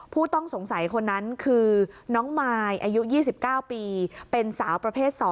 ผู้ต้องสงสัยคนนั้นคือน้องมายอายุ๒๙ปีเป็นสาวประเภท๒